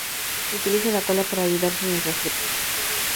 Utiliza la cola para ayudarse mientras trepa.